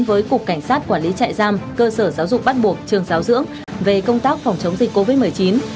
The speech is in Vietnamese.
với cục cảnh sát quản lý trại giam cơ sở giáo dục bắt buộc trường giáo dưỡng về công tác phòng chống dịch covid một mươi chín